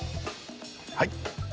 はい。